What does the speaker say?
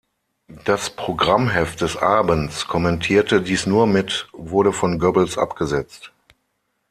Das Programmheft des Abends kommentierte dies nur mit „wurde von Goebbels abgesetzt“.